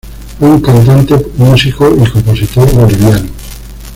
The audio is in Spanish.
Fue un cantante, músico y compositor boliviano.